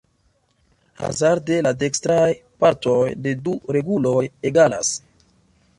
Hazarde la dekstraj partoj de du reguloj egalas.